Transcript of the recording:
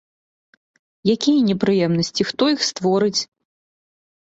Якія непрыемнасці, хто іх створыць?